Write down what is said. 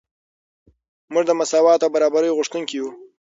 موږ د مساوات او برابرۍ غوښتونکي یو.